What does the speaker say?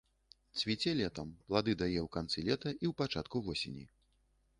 Цвіце летам, плады дае ў канцы лета і ў пачатку восені.